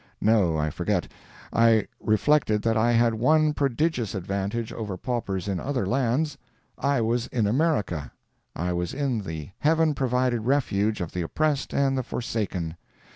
No, I forget. I reflected that I had one prodigious advantage over paupers in other lands—I was in America! I was in the heaven provided refuge of the oppressed and the forsaken!